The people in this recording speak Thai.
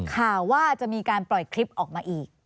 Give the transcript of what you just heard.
ข่าวว่าจะมีการปล่อยคลิปออกมาอีก